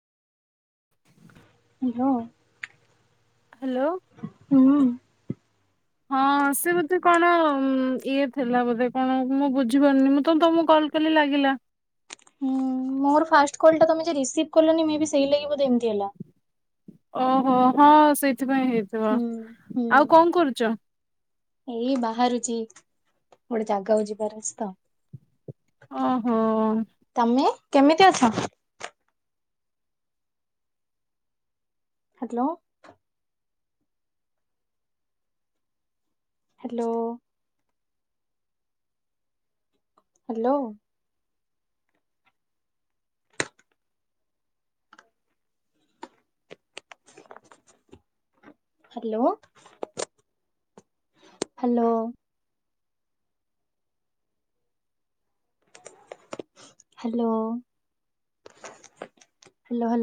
Hello. Hello. ହୁଁ। ହଁ ସେ ବୋଧେ କଣ ଉମ୍ ଇଏ ଥିଲା ବୋଧେ କଣ ମୁଁ ବୁଝିପାରୁନି ମୁଁ ତମ ତମକୁ କଲ କାଲି ଲାଗିଲା। ହୁଁ ମୋର ଫାଷ୍ଟ କଲ୍ ଟା ତମେ ରିସିଭ୍ କଲନି ମେ ବି ସେଇଲାଗି ବୋଧେ ଏମିତି ହେଲା। ଓହୋ ହଁ ସେଇଥିପାଇଁ ହେଇଥିବ ହୁଁ ହୁଁ ଆଉ କଂ କରୁଚ? ଏଇ ବାହାରୁଚି ଗୋଟେ ଜାଗାକୁ ଯିବାର ଅଛି ତ। ଓହୋ। ତମେ କେମିତି ଅଛ? Hello. Hello. Hello. Hello hello. Hello. ହାଲୋହାଲୋ